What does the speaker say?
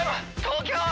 東京！